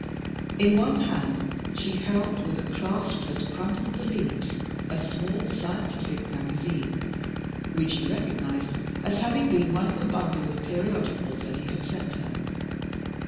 In one hand she held, with a clasp that crumpled the leaves, a small scientific magazine, which he recognized as having been one of a bundle of periodicals that he had sent her.